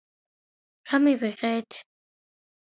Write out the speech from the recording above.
რა მივიღეთ?